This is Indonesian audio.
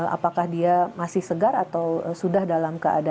apakah dia masih segar atau sudah dalam keadaan